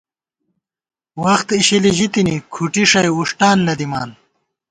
وخت اِشِلی ژِتِنی زی ، کھُٹی ݭَئی وُݭٹان نہ دِمان